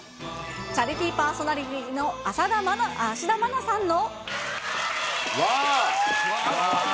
チャリティーパーソナリティーの芦田愛菜さんの。